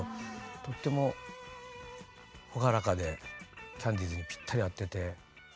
とっても朗らかでキャンディーズにぴったり合ってて。